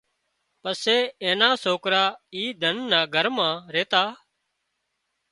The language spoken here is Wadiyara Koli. پسي اين نا سوڪرا اي ڌنَ نا گھر مان ريتا